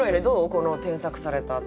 この添削されたあと。